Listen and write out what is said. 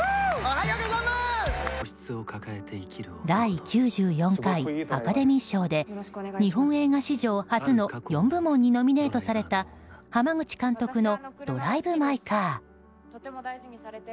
第９４回アカデミー賞で日本映画史上初の４部門にノミネートされた濱口監督の「ドライブ・マイ・カー」。